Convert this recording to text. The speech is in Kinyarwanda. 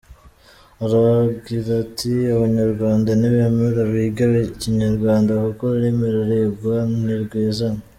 Aragira ati” Abanyarwanda nibemere bige Ikinyarwanda kuko ururimi rurigwa, ntirwizana’’.